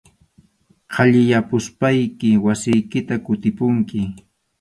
Qhaliyapuspayki wasiykita kutipunki.